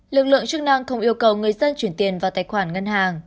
lực lượng chức năng cũng yêu cầu người dân chuyển tiền vào tài khoản ngân hàng